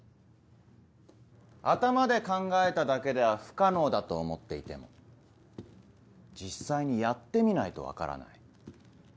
頭で考えただけでは不可能だと思っていても実際にやってみないと分からない。